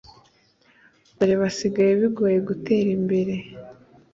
dore basigaye bigoye gutera imbere